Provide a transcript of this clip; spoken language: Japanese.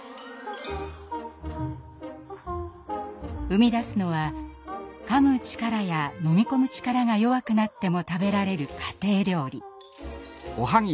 生み出すのはかむ力や飲み込む力が弱くなっても食べられる家庭料理。